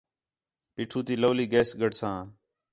پیٹھو تی لَولی گیس گڈھساں